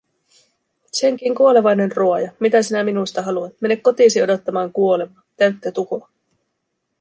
"senkin kuolevainen ruoja, mitä sinä minusta haluat, mene kotiisi odottamaan kuolemaa, täyttä tuhoa!"